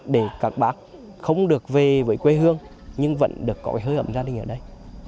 để các bác không được về với quê hương nhưng vẫn được có cái hơi ẩm gia đình ở đây